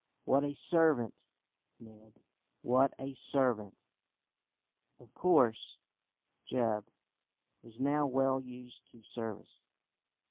What a servant, Neb, what a servant!" Of course Jup was now well used to service.